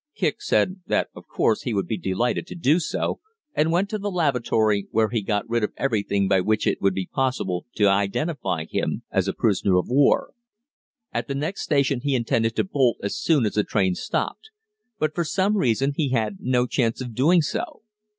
Kicq said that of course he would be delighted to do so, and went to the lavatory, where he got rid of everything by which it would be possible to identify him as a prisoner of war. At the next station he intended to bolt as soon as the train stopped, but for some reason he had no chance of doing so.